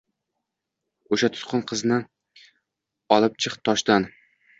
O’sha tutqin qizni olib chiq toshdan.